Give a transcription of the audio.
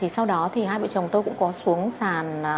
sau đó hai vợ chồng tôi cũng có xuống sản